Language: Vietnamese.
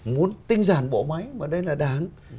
muốn tinh giản bộ máy mà đây là đảng